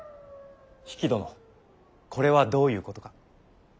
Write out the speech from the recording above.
比企殿これはどういうことか。